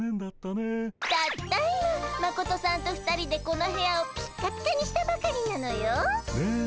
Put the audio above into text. たった今マコトさんと２人でこの部屋をピッカピカにしたばかりなのよ。ね。